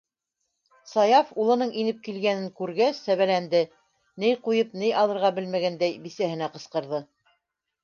Саяф, улының инеп килгәнен күргәс, сәбәләнде, ни ҡуйып, ни алырға белмәгәндәй, бисәһенә ҡысҡырҙы: